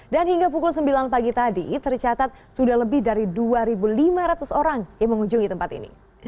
hingga pukul sembilan pagi tadi tercatat sudah lebih dari dua lima ratus orang yang mengunjungi tempat ini